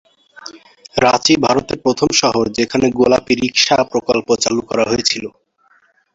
রাঁচি ভারতের প্রথম শহর যেখানে গোলাপী রিকশা প্রকল্প চালু করা হয়েছিল।